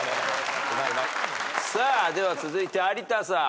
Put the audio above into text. では続いて有田さん。